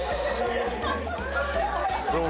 どうも。